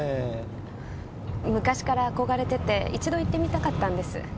昔から憧れてて一度行ってみたかったんです。